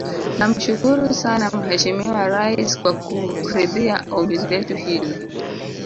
Namshukuru sana Mheshimiwa Rais kwa kuridhia ombi letu hilo